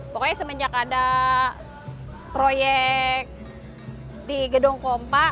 pokoknya semenjak ada proyek di gedung kompak